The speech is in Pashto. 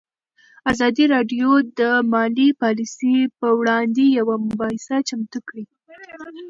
ازادي راډیو د مالي پالیسي پر وړاندې یوه مباحثه چمتو کړې.